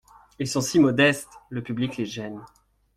Ils sont si modestes ! le public les gêne.